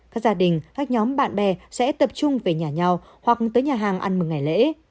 các gia đình các nhóm bạn bè sẽ tập trung về nhà nhau hoặc tới nhà hàng ăn mừng ngày lễ